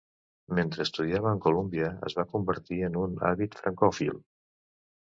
Mentre estudiava en Columbia, es va convertir en un àvid francòfil.